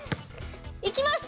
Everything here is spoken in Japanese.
いきます！